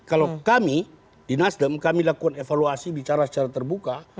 kalau kami di nasdem kami lakukan evaluasi bicara secara terbuka